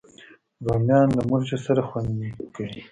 رومیان له مرچو سره خوند کوي